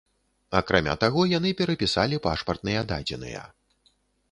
Акрамя таго яны перапісалі пашпартныя дадзеныя.